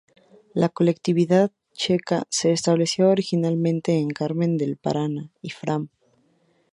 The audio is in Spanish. La colectividad checa se estableció originalmente en Carmen del Paraná y Fram.